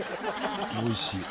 おいしい。